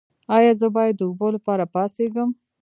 ایا زه باید د اوبو لپاره پاڅیږم؟